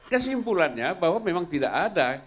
kesimpulannya bahwa memang tidak ada